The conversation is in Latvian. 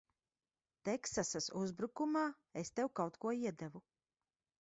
Teksasas uzbrukumā es tev kaut ko iedevu.